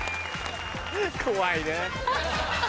怖いね。